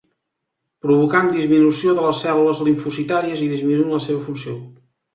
Provocant disminució de les cèl·lules limfocitàries i disminuint la seva funció.